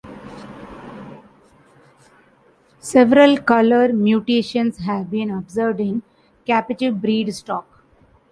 Several colour mutations have been observed in captive-bred stock.